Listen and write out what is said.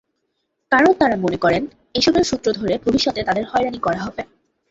কারণ তাঁরা মনে করেন, এসবের সূত্র ধরে ভবিষ্যতে তাঁদের হয়রানি করা হবে।